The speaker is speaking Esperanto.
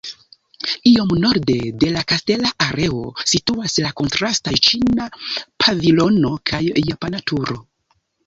Iom norde de la kastela areo situas la kontrastaj ĉina pavilono kaj japana turo.